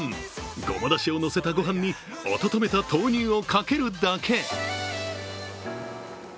ごまだしをのせたご飯に温めた豆乳をかけるだけ。